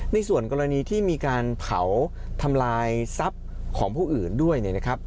ในส่วนกรณีที่มีการเผาทำลายทรัพย์ของผู้อื่นด้วยเนี่ยนะครับ